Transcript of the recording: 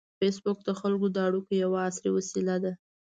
فېسبوک د خلکو د اړیکو یوه عصري وسیله ده